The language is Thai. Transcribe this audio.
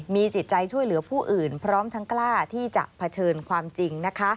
มีจิตใจช่วยเหลือผู้อื่นพร้อมทั้งกล้าที่จะเผชิญความจริงนะคะ